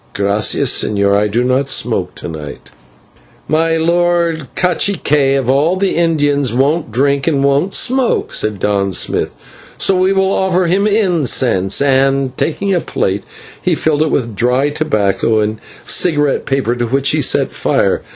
"/Gracias/, señor, I do not smoke to night." "My lord /cacique/ of all the Indians won't drink and won't smoke," said Don Smith, "so we will offer him incense" and, taking a plate, he filled it with dry tobacco and cigarette paper, to which he set fire.